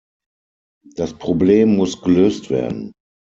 Das Problem muss gelöst werden.